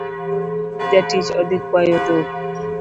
Jatich odhii kwayo dhok